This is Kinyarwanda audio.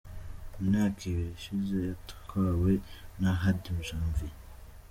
Mu myaka ibiri ishize yatwawe na Hadi Janvier.